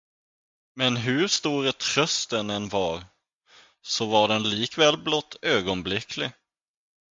Men hur stor trösten än var, så var den likväl blott ögonblicklig.